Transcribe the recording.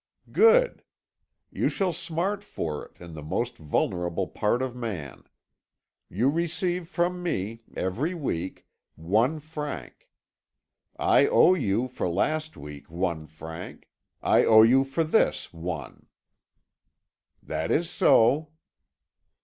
"Good. You shall smart for it, in the most vulnerable part of man. You receive from me, every week, one franc. I owe you, for last week, one franc; I owe you, for this, one." "That is so."